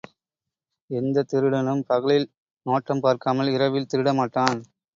எந்த திருடனும் பகலில் நோட்டம் பார்க்காமல் இரவில் திருடமாட்டான்.